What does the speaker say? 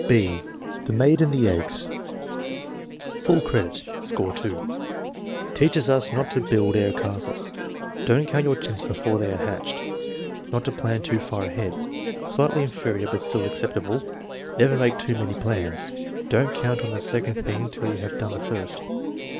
(b) The Maid and the Eggs Full credit; score 2. "Teaches us not to build air castles." "Don't count your chickens before they are hatched." "Not to plan too far ahead." Slightly inferior, but still acceptable: "Never make too many plans." "Don't count on the second thing till you have done the first."